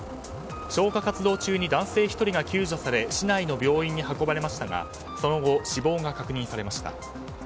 消火活動中に男性１人が救助され市内の病院に運ばれましたがその後、死亡が確認されました。